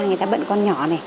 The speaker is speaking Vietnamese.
người ta bận con nhỏ này